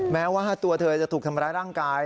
แม้ว่าตัวเธอจะถูกทำร้ายร่างกาย